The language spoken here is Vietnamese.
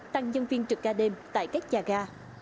tăng nhân viên trực ca đêm tại các nhà ga